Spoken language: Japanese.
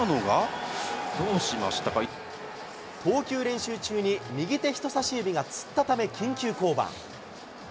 投球練習中に右手人差し指がつったため緊急降板。